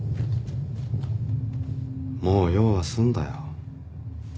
もう用は済んだよ。